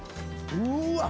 うわっ。